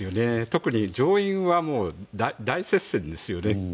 特に上院は大接戦ですよね。